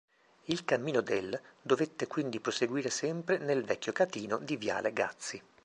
Il cammino del dovette quindi proseguire sempre nel vecchio catino di viale Gazzi.